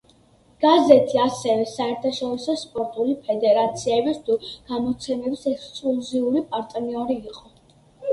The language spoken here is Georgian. გაზეთი ასევე საერთაშორისო სპორტული ფედერაციების თუ გამოცემების ექსკლუზიური პარტნიორი იყო.